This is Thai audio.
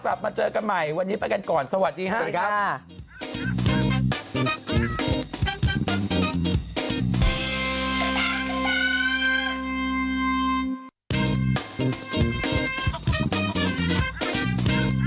กลับมาเจอกันใหม่วันนี้ไปกันก่อนสวัสดีครับสวัสดีครับ